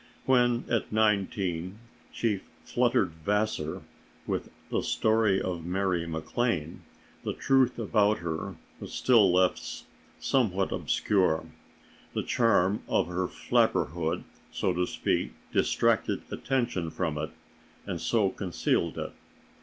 When, at nineteen, she fluttered Vassar with "The Story of Mary MacLane," the truth about her was still left somewhat obscure; the charm of her flapperhood, so to speak, distracted attention from it, and so concealed it.